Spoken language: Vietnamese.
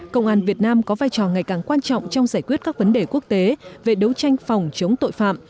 công an việt nam có vai trò ngày càng quan trọng trong giải quyết các vấn đề quốc tế về đấu tranh phòng chống tội phạm